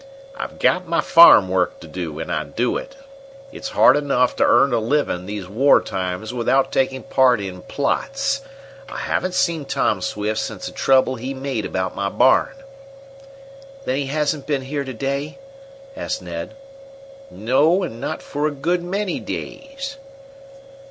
"I've got my farm work to do, and I do it. It's hard enough to earn a living these war times without taking part in plots. I haven't seen Tom Swift since the trouble he made about my barn." "Then he hasn't been here to day?" asked Ned. "No; and not for a good many days."